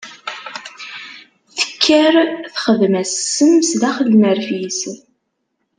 Tekker texdem-as ssem s daxel n rfis.